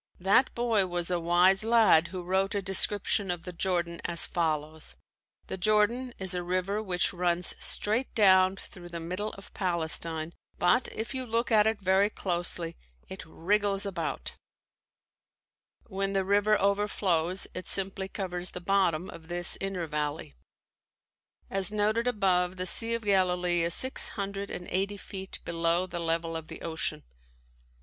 That boy was a wise lad who wrote a description of the Jordan as follows: "The Jordan is a river which runs straight down through the middle of Palestine, but if you look at it very closely, it wriggles about." When the river overflows it simply covers the bottom of this inner valley. As noted above, the Sea of Galilee is six hundred and eighty feet below the level of the ocean.